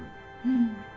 うん。